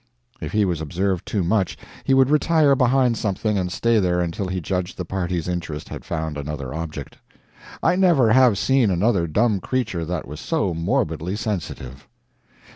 If he was observed too much, he would retire behind something and stay there until he judged the party's interest had found another object. I never have seen another dumb creature that was so morbidly sensitive.